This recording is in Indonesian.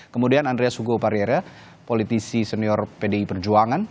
kemudian andreas hugo parierea politisi senior pdi perjuangan